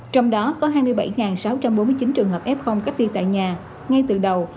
trong đó có hai mươi bảy sáu trăm bốn mươi chín trường hợp f cách ly tại nhà ngay từ đầu